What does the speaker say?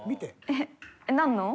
えっ何の？